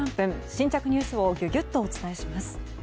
新着ニュースをギュギュッとお伝えします。